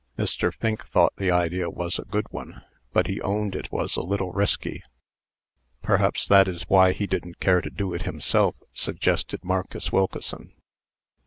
Mr. Fink thought the idea was a good one; but he owned it was a little risky." "Perhaps that is why he didn't care to do it himself," suggested Marcus Wilkeson.